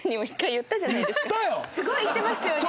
すごい言ってましたよね